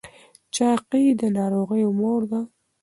چاقي د ناروغیو مور ده.